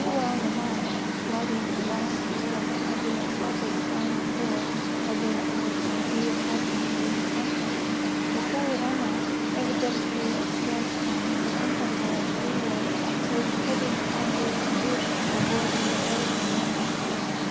We were on the march, plodding along through as heavy a tropic downpour as it was our ill fortune to encounter. The sariema, evidently as drenched and uncomfortable as we were, was hiding under a bush to avoid the pelting rain.